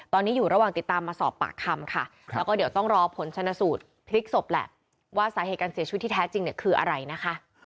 ตอนนี้อยู่ระหว่างติดตามมาสอบปากคำค่ะแล้วก็เดี๋ยวต้องรอผลชนะสูตรพลิกศพแหละว่าสาเหตุการเสียชีวิตที่แท้จริงเนี่ยคืออะไรนะคะ